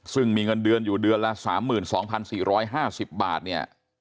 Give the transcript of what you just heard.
ซึ่งมีเงินเดือนอยู่เดือนละ๓๒๔๕๐บาทเนี่ย